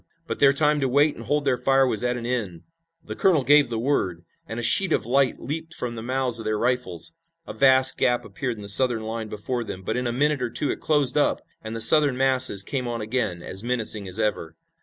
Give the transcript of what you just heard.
But their time to wait and hold their fire was at an end. The colonel gave the word, and a sheet of light leaped from the mouths of their rifles. A vast gap appeared in the Southern line before them, but in a minute or two it closed up, and the Southern masses came on again, as menacing as ever.